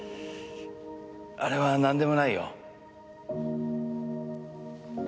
あれはなんでもないよ。